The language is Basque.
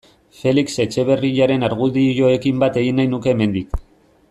Felix Etxeberriaren argudioekin bat egin nahi nuke hemendik.